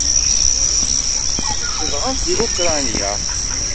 Zedɣent deg Ukṛanya.